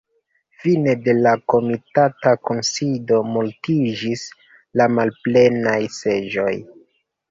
Fine de la komitata kunsido multiĝis la malplenaj seĝoj.